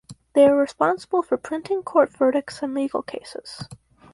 They are responsible for printing court verdicts and legal cases.